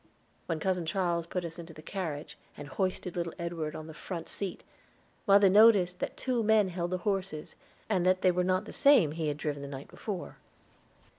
When Cousin Charles put us into the carriage, and hoisted little Edward on the front seat, mother noticed that two men held the horses, and that they were not the same he had driven the night before.